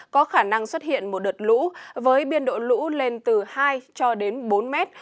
có khả năng xuất hiện một đợt lũ với biên độ lũ lên từ hai cho đến bốn mét